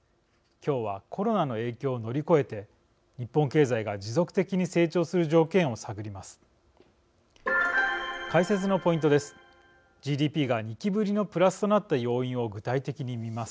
今日はコロナの影響を乗り越えて日本経済が持続的に成長する条件を探ります。